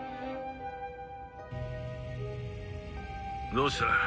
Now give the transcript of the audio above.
どうした？